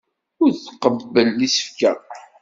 Ur tqebbel isefka.